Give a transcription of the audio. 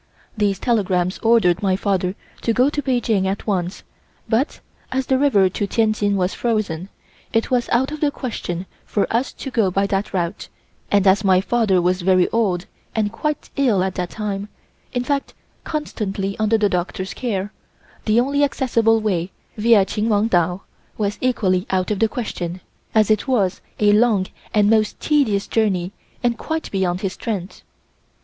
These telegrams ordered my father to go to Peking at once, but, as the river to Tientsin was frozen, it was out of the question for us to go by that route, and as my father was very old and quite ill at that time, in fact constantly under the doctor's care, the only accessible way, via Chinwangtao, was equally out of the question, as it was a long and most tedious journey and quite beyond his strength.